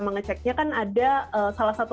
mengeceknya kan ada salah satu